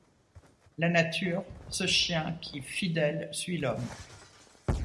La nature, ce chien qui, fidèle, suit l’homme